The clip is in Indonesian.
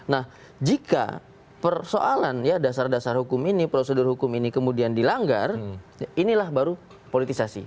nah jika persoalan ya dasar dasar hukum ini prosedur hukum ini kemudian dilanggar inilah baru politisasi